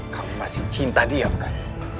kamu masih cinta dia bukan